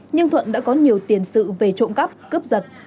nhưng thuận đã có nhiều tiền sự về trộm cắp cướp giật